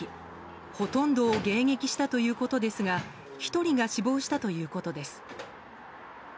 ほとんどを迎撃したということですが１人が死亡したということです。